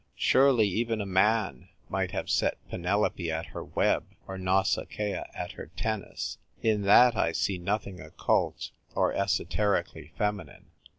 Surely even a man might have set Penelope at her web, or Nausicaa at her tennis. In that I see nothing occult or esoterically feminine.